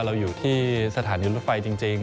เราอยู่ที่สถานีรถไฟจริง